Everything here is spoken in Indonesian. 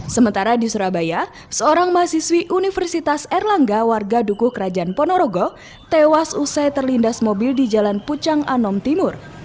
sementara di surabaya seorang mahasiswi universitas erlangga warga dukuh kerajaan ponorogo tewas usai terlindas mobil di jalan pucang anom timur